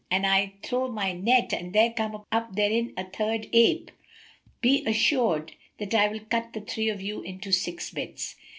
An I throw my net and there come up therein a third ape, be assured that I will cut the three of you into six bits."